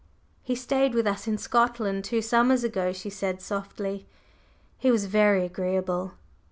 "He stayed with us in Scotland two summers ago," she said softly. "He was very agreeable.